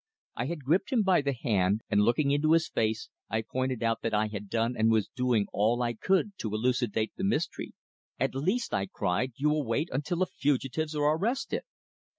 I had gripped him by the hand, and looking into his face I pointed out that I had done and was doing all I could to elucidate the mystery. "At least," I cried, "you will wait until the fugitives are arrested!"